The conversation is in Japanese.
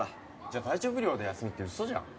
・じゃあ体調不良で休みって嘘じゃん